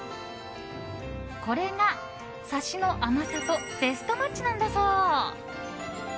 これがサシの甘さとベストマッチなんだそう。